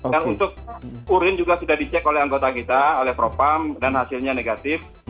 dan untuk urin juga sudah dicek oleh anggota kita oleh propamp dan hasilnya negatif